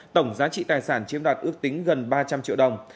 tổng giá trị tài sản chiếm đoạt ước tính gần ba trăm linh triệu đồng